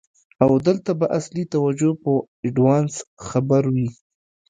او دلته به اصلی توجه په آډوانس خبرو وی.